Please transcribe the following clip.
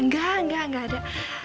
enggak enggak enggak ada